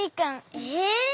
え？